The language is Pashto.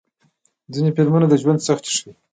ځینې فلمونه د ژوند سختۍ ښيي.